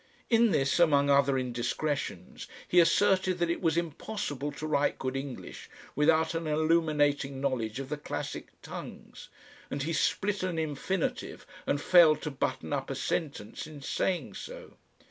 In this, among other indiscretions, he asserted that it was impossible to write good English without an illuminating knowledge of the classic tongues, and he split an infinitive and failed to button up a sentence in saying so.